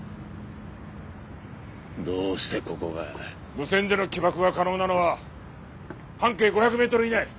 無線での起爆が可能なのは半径５００メートル以内。